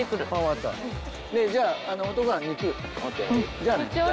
・じゃあね。